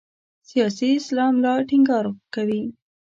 سیاسي اسلام لا ټینګار کوي.